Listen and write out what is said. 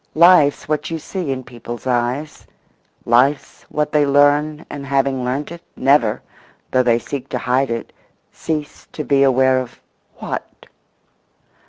Life's what you see in people's eyes; life's what they learn, and, having learnt it, never, though they seek to hide it, cease to be aware of—what?